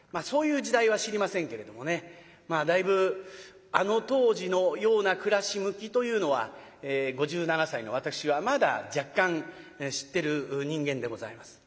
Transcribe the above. そういう時代は知りませんけれどもねだいぶあの当時のような暮らし向きというのは５７歳の私はまだ若干知ってる人間でございます。